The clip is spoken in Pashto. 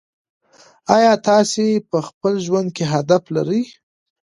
آیا تاسې په خپل ژوند کې هدف لرئ؟